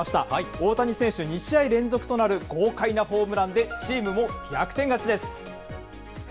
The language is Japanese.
大谷選手、２試合連続となる豪快なホームランで、チームも逆転勝ちです。